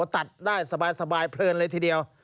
ตัดได้สบายเพลินเลยทีเดียว